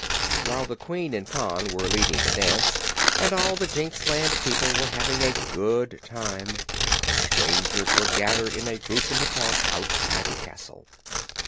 While the Queen and Pon were leading this dance, and all the Jinxland people were having a good time, the strangers were gathered in a group in the park outside the castle.